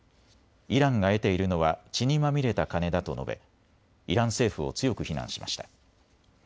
イランが得ているのは血にまみれた金だと述べ、イラン政府を強く非難しました。